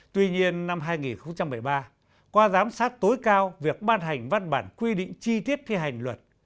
tuy nhiên năm hai nghìn một mươi ba qua giám sát tối cao việc ban hành văn bản quy định chi tiết thi hành luật